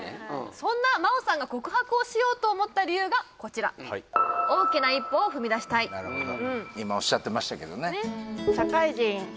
そんな茉央さんが告白をしようと思った理由がこちらなるほど今おっしゃってましたけどね